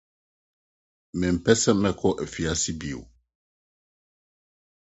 Mempɛ sɛ mekɔ afiase bio.